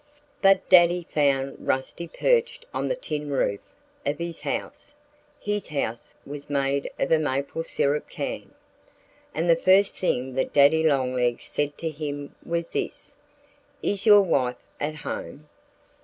But Daddy found Rusty perched on the tin roof of his house (his house was made of a maple syrup can). And the first thing that Daddy Longlegs said to him was this: "Is your wife at home?"